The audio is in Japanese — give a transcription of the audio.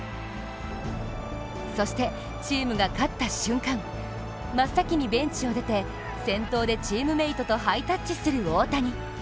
そしてチームが勝った瞬間、真っ先にベンチを出て、先頭でチームメートとハイタッチする大谷。